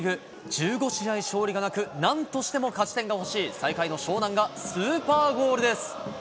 １５試合勝利がなく、なんとしても勝ち点が欲しい最下位の湘南が、スーパーゴールです。